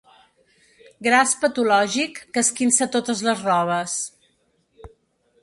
Gras patològic que esquinça totes les robes.